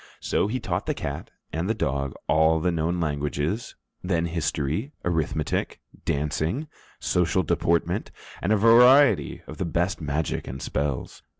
So he taught the cat and the dog all the known languages, then history, arithmetic, dancing, social deportment, and a variety of the best magic and spells.